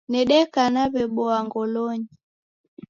Nedeka naw'eboa ngolonyi